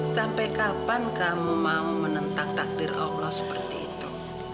sampai kapan kamu mau menentang takdir allah seperti itu